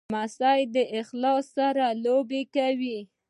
لمسی له خالې سره لوبې کوي.